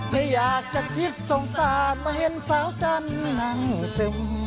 ไม่อยากจะทิ้งสงสารมาเห็นสาวจันนั่นสิ่ง